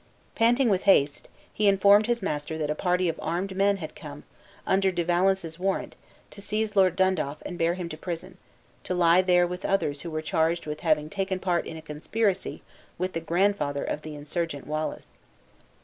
Panting with haste, he informed his master that a party of armed men had come, under De Valence's warrant, to seize Lord Dundaff and bear him to prison; to lie there with others who were charged with having taken part in a conspiracy with the grandfather of the insurgent Wallace.